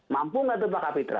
mampu nggak tuh pak kapitra